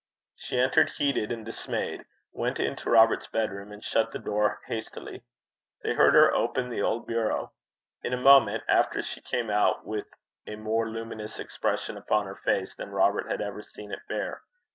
She entered heated and dismayed, went into Robert's bedroom, and shut the door hastily. They heard her open the old bureau. In a moment after she came out with a more luminous expression upon her face than Robert had ever seen it bear.